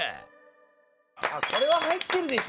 これは入ってるでしょ。